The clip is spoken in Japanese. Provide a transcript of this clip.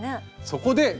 そこで！